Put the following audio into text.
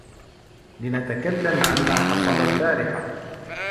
لنتكلّم عن ما حصل البارحة.